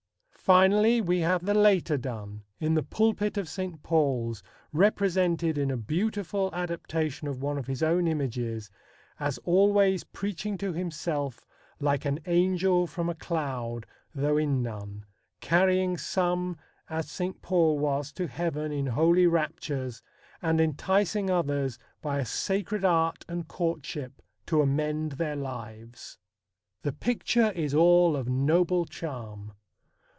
Finally, we have the later Donne in the pulpit of St. Paul's represented, in a beautiful adaptation of one of his own images, as "always preaching to himself, like an angel from a cloud, though in none; carrying some, as St. Paul was, to Heaven in holy raptures, and enticing others by a sacred art and courtship to amend their lives." The picture is all of noble charm.